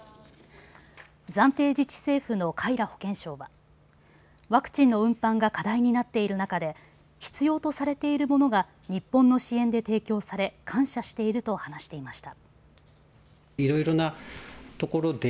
暫定自治政府のカイラ保健相はワクチンの運搬が課題になっている中で必要とされているものが日本の支援で提供され感謝していると話していました。